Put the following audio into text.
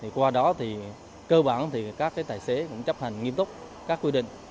qua đó thì cơ bản các tài xế cũng chấp hành nghiêm túc các quy định